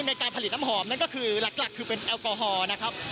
ในการผลิตน้ำหอมนั่นก็คือหลักคือเป็นแอลกอฮอล์นะครับ